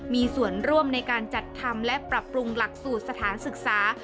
มีส่วนร่วมในการจัดทำและปรับปรุงหลักสูตรสถานศึกษา